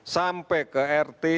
sampai ke rt